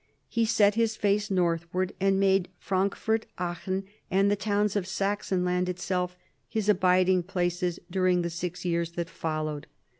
He set his face northward and made Frankfurt, Aachen, and the towns of Saxon land itself, his abiding places during the six years that followed.